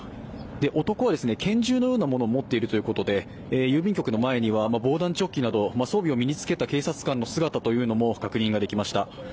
男は拳銃のようなものを持っているということで郵便局の前には、防弾チョッキなど装備を身につけた警察官の姿も確認できました。